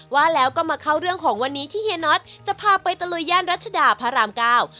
ว่าแล้วก็มาเข้าเรื่องของวันนี้ที่เฮียน็อตจะพาไปตะลุยย่านรัชดาพระรามเก้า